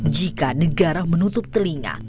jika negara menutup telinga